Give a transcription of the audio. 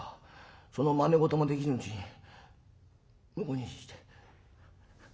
そのまね事もできぬうちに婿にして。